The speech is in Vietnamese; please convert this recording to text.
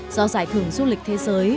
do giải thưởng du lịch thế giới